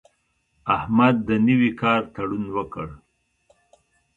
احمد د نوي کار تړون وکړ.